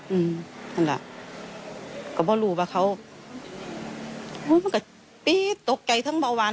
อื้มนั่นแหละก็บ่ารู้ว่าเขาโอ๊ยมันก็ปี๊ดตกไกลทั้งเบาหวาน